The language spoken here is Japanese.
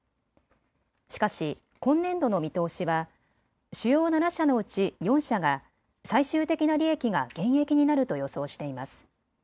しかし今年度の見通しは主要７社のうち４社が最終的な利益が減益になると予想しています。